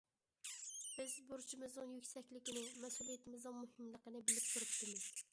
بىز بۇرچىمىزنىڭ يۈكسەكلىكىنى، مەسئۇلىيىتىمىزنىڭ مۇھىملىقىنى بىلىپ تۇرۇپتىمىز.